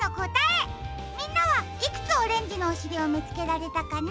みんなはいくつオレンジのおしりをみつけられたかな？